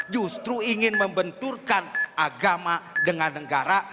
justru ingin membenturkan agama dengan negara